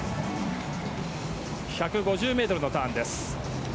１５０ｍのターンです。